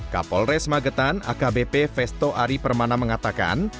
kapolres magetan akbp festo ari permana mengatakan